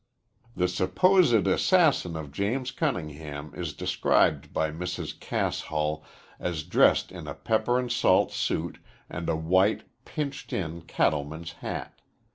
The supposed assassin of James Cunningham is described by Mrs. Cass Hull as dressed in a pepper and salt suit and a white, pinched in cattleman's hat.